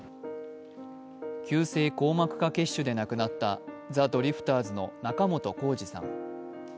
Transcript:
急性硬膜下血腫で亡くなったザ・ドリフターズの仲本工事さん。